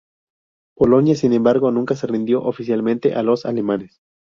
Polonia, sin embargo, nunca se rindió oficialmente a los alemanes.